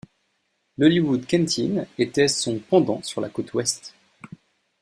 L'Hollywood Canteen était son pendant sur la côte Ouest.